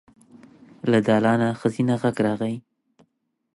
له دالانه ښځينه غږ راغی.